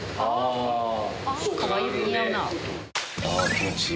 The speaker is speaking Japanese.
気持ちいい。